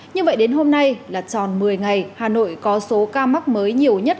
như vậy đến hôm nay là tròn một mươi ngày hà nội có số ca mắc mới nhiều nhất